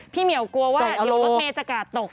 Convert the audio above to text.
เหมียวกลัวว่าเดี๋ยวรถเมย์จะกาดตก